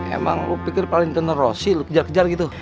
emang lo pikir paling tenang rosi lo kejar kejar gitu